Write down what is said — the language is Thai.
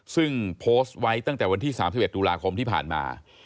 ซึ่งโพสต์ไว้ตั้งแต่วันที่๓๑ตุลาคมที่ผ่านมา